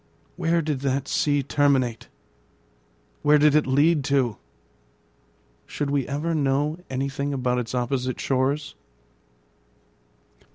Where did that sea terminate? Where did it lead to? Should we ever know anything about its opposite shores?